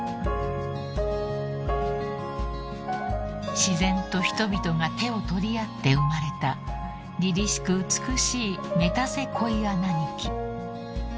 ［自然と人々が手を取り合って生まれたりりしく美しいメタセコイア並木］